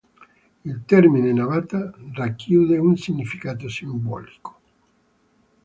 Il termine "navata" racchiude un significato simbolico.